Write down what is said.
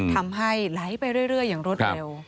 ทำให้ไหลไปเรื่อยอย่างรวดเร็ว